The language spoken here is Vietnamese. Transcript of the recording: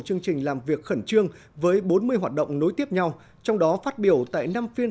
chương trình làm việc khẩn trương với bốn mươi hoạt động nối tiếp nhau trong đó phát biểu tại năm phiên